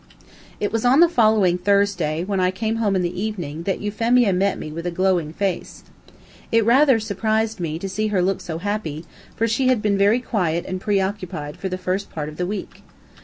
It was on the following Thursday, when I came home in the evening, that Euphemia met me with a glowing face. It rather surprised me to see her look so happy, for she had been very quiet and preoccupied for the first part of the week.